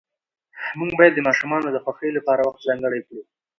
موږ باید د ماشومانو د خوښۍ لپاره وخت ځانګړی کړو